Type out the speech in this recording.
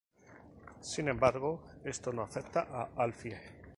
Sin embargo, esto no afecta a Alfie.